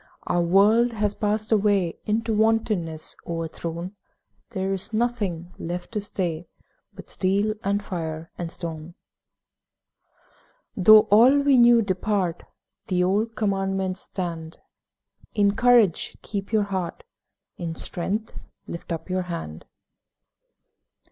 Our world has passed away, In wantonness o'erthrown. There is nothing left to day But steel and fire and stone! Though all we knew depart, The old Commandments stand: 'In courage keep your heart, In strength lift up your hand.'